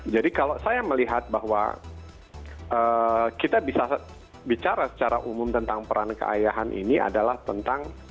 jadi kalau saya melihat bahwa kita bisa bicara secara umum tentang peran keayahan ini adalah tentang